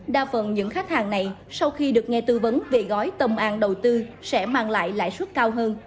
đa phần những khách hàng này sau khi được nghe tư vấn về gói tâm an đầu tư sẽ mang lại lãi suất cao hơn